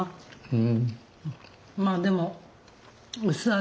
うん。